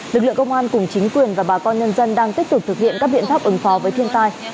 lực lượng công an cùng chính quyền và bà con nhân dân đang tích cực thực hiện các biện pháp ứng phó với thiên tai